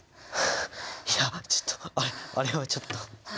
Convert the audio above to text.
いやちょっとあれはちょっと。